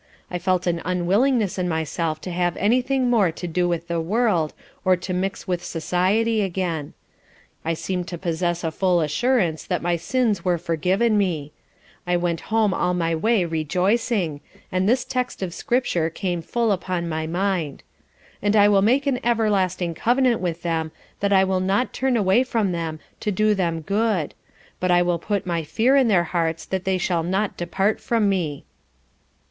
I felt an unwillingness in myself to have any thing more to do with the world, or to mix with society again. I seemed to possess a full assurance that my sins were forgiven me. I went home all my way rejoicing, and this text of scripture came full upon my mind. _"And I will make an everlasting covenant with them, that I will not turn away from them, to do them good; but I will put my fear in their hearts that they shall not depart from me."